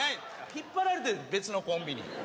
引っ張られてる別のコンビに。